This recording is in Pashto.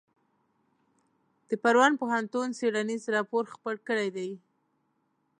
د براون پوهنتون څیړنیز راپور خپور کړی دی.